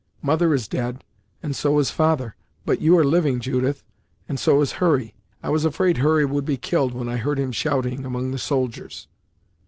Mother is dead; and so is father; but you are living, Judith, and so is Hurry. I was afraid Hurry would be killed, when I heard him shouting among the soldiers."